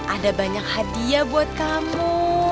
ada banyak hadiah buat kamu